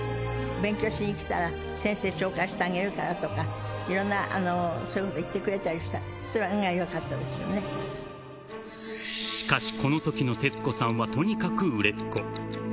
勉強しに来たら、先生紹介してあげるからとか、いろんなそういうこと言ってくれたりした、しかし、このときの徹子さんは、とにかく売れっ子。